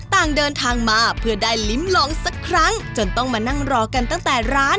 ต่างเดินทางมาเพื่อได้ลิ้มลองสักครั้งจนต้องมานั่งรอกันตั้งแต่ร้าน